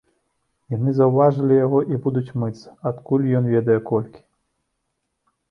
Яны заўважылі яго і будуць мыцца, адкуль ён ведае колькі?